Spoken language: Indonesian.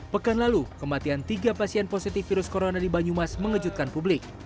pekan lalu kematian tiga pasien positif virus corona di banyumas mengejutkan publik